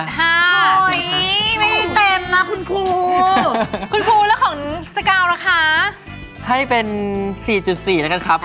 โอ้ยไม่ได้เต็มอ่ะคุณครูคุณครูแล้วของสกาวนะคะให้เป็นสี่จุดสี่แล้วกันครับ